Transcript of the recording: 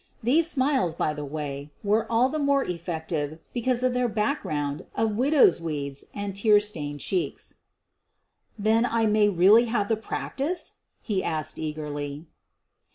These smiles, by the way, were all the more effective because of their background of widow's weeds and tear stained cheeks. "Then I may really have the practice?" he asked eagerly.